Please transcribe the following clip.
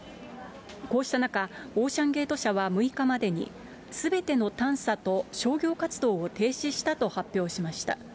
こうした中、オーシャンゲート社は６日までに、すべての探査と商業活動を停止したと発表しました。